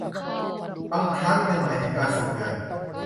บางครั้งยังหมายถึงการฝึกงาน